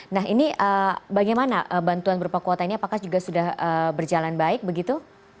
nah ini bagaimana bantuan berupa kuota ini apakah juga sudah berjalan baik begitu